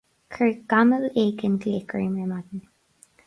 Chuir gamal éigin glaoch orm ar maidin